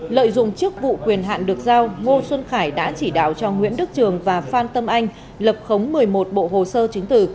lợi dụng chức vụ quyền hạn được giao ngô xuân khải đã chỉ đạo cho nguyễn đức trường và phan tâm anh lập khống một mươi một bộ hồ sơ chứng tử